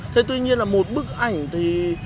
thế tuy nhiên là một bức ảnh